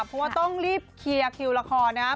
เพราะว่าต้องรีบเคลียร์คิวละครนะครับ